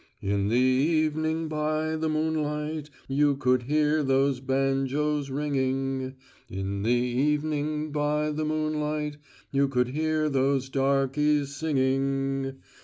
"In the evening, by the moonlight, you could hear those banjos ringing; In the evening, by the moonlight, you could hear those darkies singing.